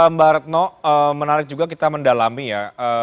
mbak retno menarik juga kita mendalami ya